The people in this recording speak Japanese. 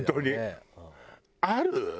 ある？